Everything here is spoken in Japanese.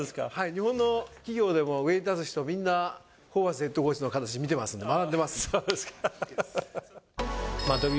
日本の企業でも、上に立つ人はみんな、ホーバスヘッドコーチの形、見てますんで、そうですか。